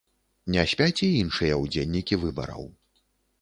Не спяць і іншыя ўдзельнікі выбараў.